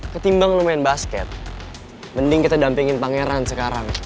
ketimbang lo main basket mending kita dampingin pangeran sekarang